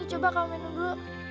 ini coba kamu minum dulu